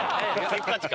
せっかちか！